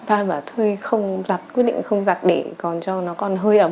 ai mà thuê không giặt quyết định không giặt để còn cho nó còn hơi ấm